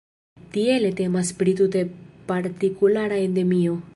Tiele temas pri tute partikulara endemio.